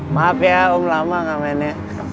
maaf ya om lama gak mainnya